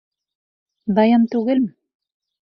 Даян түгелме?